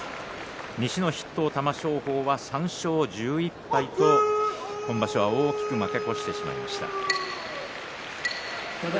西の筆頭の玉正鳳は３勝１１敗と今場所、大きく負け越してしまいました。